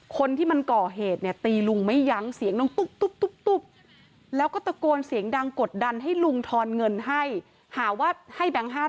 คนกล่อเหตุตีลุงไม๊ยังเสียงน้องตุ๊บ